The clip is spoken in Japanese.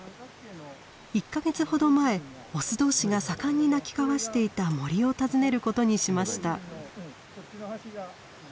１か月ほど前オス同士が盛んに鳴き交わしていた森を訪ねることにしました。